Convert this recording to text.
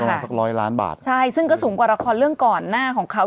สักร้อยล้านบาทใช่ซึ่งก็สูงกว่าละครเรื่องก่อนหน้าของเขา